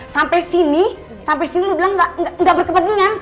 sampai sini sampai sini lu bilang gak berkepentingan